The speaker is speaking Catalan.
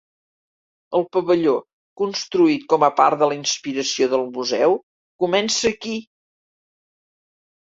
El Pavelló, construït com a part de la inspiració del Museu, Comença aquí!